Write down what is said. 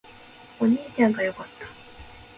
お兄ちゃんが良かった